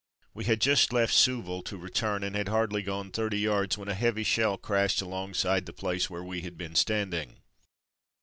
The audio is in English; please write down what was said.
We had just left Souville to return, and had hardly gone thirty yards when a heavy shell crashed alongside the place where we had been standing.